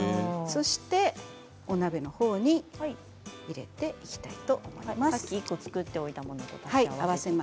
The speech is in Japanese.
そしてお鍋のほうに入れていきたいと思います。